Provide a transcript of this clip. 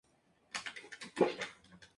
Padre de Guillermo el Conquistador.